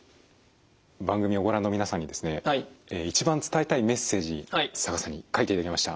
番組をご覧の皆さんにですね一番伝えたいメッセージ佐賀さんに書いていただきました。